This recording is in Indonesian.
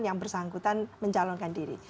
yang bersangkutan menjalankan diri